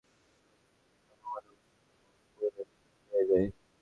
তার সাথে রিজওয়ের প্রণয়ের সম্ভাবনা অবশ্য অংকুরেই বিনষ্ট হয়ে যায়।